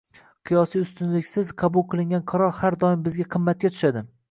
Qiyosiy ustunliksiz qabul qilingan qaror har doim bizga qimmatga tushadi